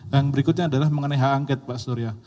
yang berikutnya adalah mengenai hak angket pak surya